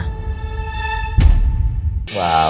lagi lagi sekarang ada masa lagi dengan nabi mana